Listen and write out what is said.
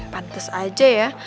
pantes aja ya